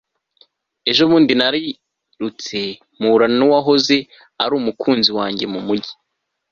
ejo bundi narirutse mpura nuwahoze ari umukunzi wanjye mumujyi